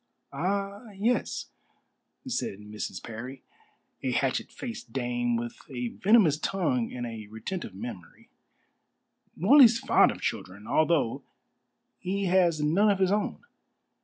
"Ah yes," said Mrs. Parry, a hatchet faced dame with a venomous tongue and a retentive memory, "Morley's fond of children, although he has none of his own."